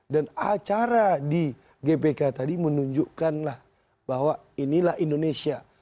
dan acara di gpk tadi menunjukkan bahwa inilah indonesia